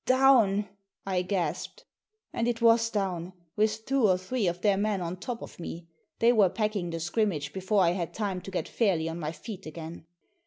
*' Down !" I gasped. And it was down, with two or three of their men on top of me. They were packing the scrimmage before I had time to get fairly on my feet again.